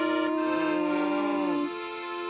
うん！